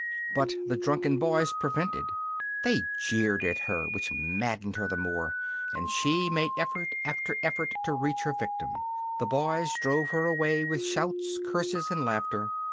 But the drunken boys prevented. They jeered at her, which maddened her the more, and she made effort after effort to reach her victim. The boys drove her away with shouts, curses and laughter.